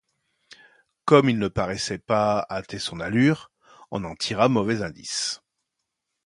Comme il ne paraissait pas hâter son allure, on en tira mauvais indice.